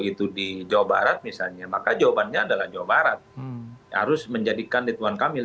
itu di jawa barat misalnya maka jawabannya adalah jawa barat harus menjadikan ridwan kamil